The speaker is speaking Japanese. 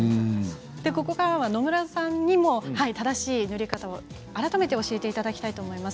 ここからは野村さんにも正しい塗り方を改めて教えていただきたいと思います。